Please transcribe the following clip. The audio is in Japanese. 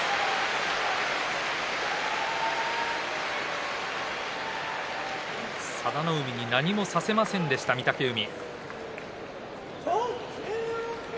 拍手佐田の海に何もさせませんでした御嶽海。